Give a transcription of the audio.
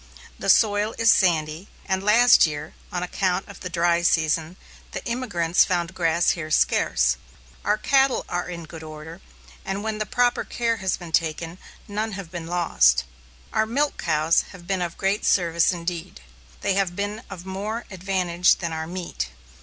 The soil is sandy, and last year, on account of the dry season, the emigrants found grass here scarce. Our cattle are in good order, and when proper care has been taken, none have been lost. Our milch cows have been of great service, indeed. They have been of more advantage than our meat.